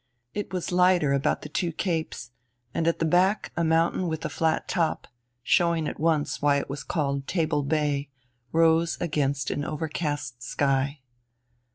It was lighter about the Two Capes, and at the back a mountain with a flat top showing at once why it was called Table Bay rose against an overcast sky.